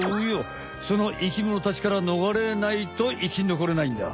その生きものたちからのがれないといきのこれないんだ。